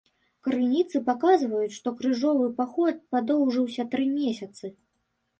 Крыніцы паказваюць, што крыжовы паход падоўжыўся тры месяцы.